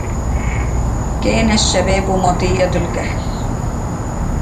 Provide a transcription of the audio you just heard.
كان الشباب مطية الجهل